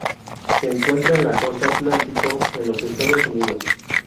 Se encuentra en la costa atlántico en los Estados Unidos.